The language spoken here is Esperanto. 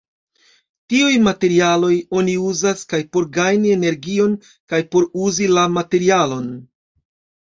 Tiuj materialoj oni uzas kaj por gajni energion kaj por uzi la materialon.